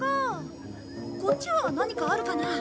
こっちは何かあるかな？